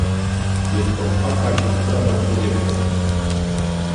Jest to atak na prawa człowieka